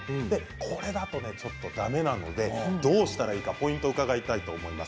これだとちょっとだめなのでどうしたらいいかポイントを伺いたいと思います。